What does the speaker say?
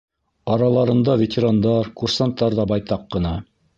Араларында ветерандар, курсанттар ҙа байтаҡ ҡына.